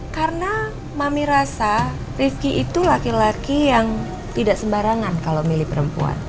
karena mami rasa rifki itu laki laki yang tidak sembarangan kalau milih perempuan